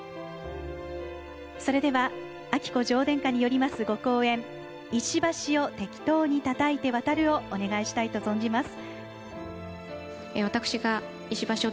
それでは彬子女王殿下によりますご講演『石橋を適当にたたいて渡る』をお願いしたいと存じます。